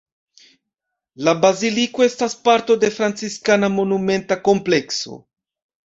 La baziliko estas parto de franciskana monumenta komplekso.